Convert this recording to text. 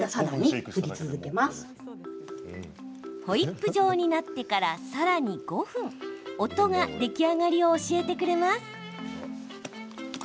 ホイップ状になってからさらに５分音が出来上がりを教えてくれます。